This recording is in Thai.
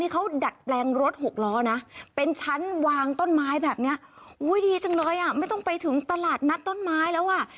เขาดัดแปลงรถหกล้อนะเป็นชั้นวางต้นไม้แบบนี้อุ้ยดีจังเลยอ่ะไม่ต้องไปถึงตลาดนัดต้นไม้แล้วอ่ะ